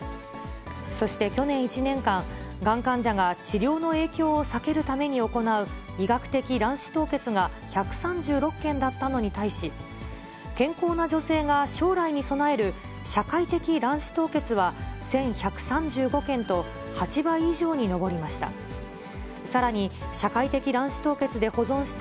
そして去年１年間、がん患者が治療の影響を避けるために行う医学的卵子凍結が１３６件だったのに対し、健康な女性が将来に備える社会的卵子凍結は１１３５件と、８倍以上に上りました。